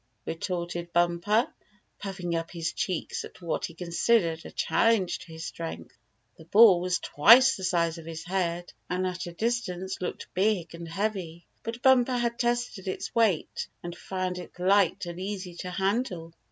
retorted Bumper, puffing up his cheeks at what he considered a challenge to his strength. The ball was twice the size of his head, and at a distance looked big and heavy. But Bumper had tested its weight, and found it light and easy to handle.